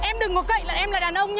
em đừng có cậy là em là đàn ông